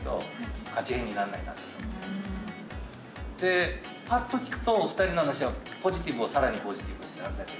でパッと聞くとお二人の話はポジティブをさらにポジティブなんだけど。